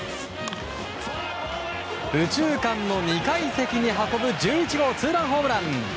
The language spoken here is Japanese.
右中間の２階席に運ぶ１１号ツーランホームラン。